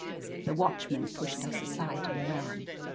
The watchman pushed us aside and ran.